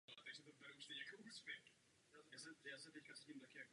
Po druhé světové válce zastával funkci předsedy Nejvyššího soudu Československa.